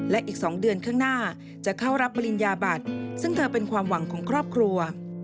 และอีก๒เดือนข้างหน้าจะเข้ารับปริญญาบัตรซึ่งเธอเป็นความหวังของครอบครัว